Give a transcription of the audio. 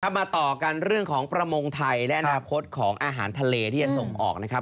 มาต่อกันเรื่องของประมงไทยและอนาคตของอาหารทะเลที่จะส่งออกนะครับ